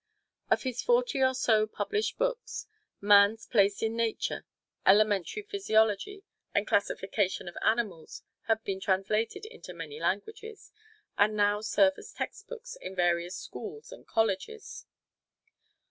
Of his forty or so published books, "Man's Place in Nature," "Elementary Physiology" and "Classification of Animals" have been translated into many languages, and now serve as textbooks in various schools and colleges.